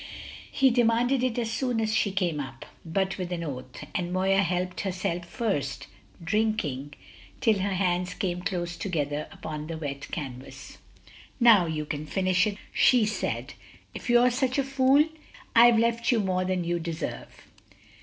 He demanded it as soon as she came up, but with an oath, and Moya helped herself first, drinking till her hands came close together upon the wet canvas. "Now you can finish it," she said, "if you're such a fool. I've left you more than you deserve."